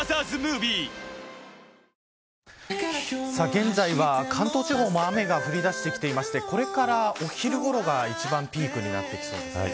現在は関東地方も雨が降り出してきていてこれからお昼ごろが、一番ピークになってきそうです。